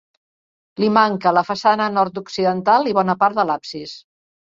Li manca la façana nord-occidental i bona part de l'absis.